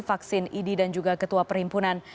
vaksin idi dan juga ketua perhimpunan